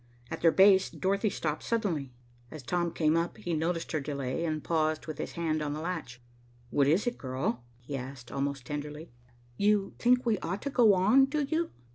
At their base, Dorothy stopped suddenly. As Tom came up, he noticed her delay and paused with his hand on the latch. "What is it, girl?" he asked, almost tenderly. "You think we ought to go on, do you?"